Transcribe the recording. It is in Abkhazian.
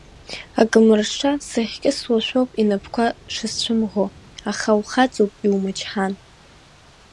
Акамыршша сыхькьысуашәоуп инапқәа шысцәымӷу, аха ухаҵоуп иумычҳан.